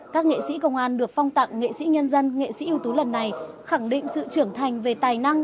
các nghệ sĩ công an được phong tặng nghệ sĩ nhân dân nghệ sĩ ưu tú lần này khẳng định sự trưởng thành về tài năng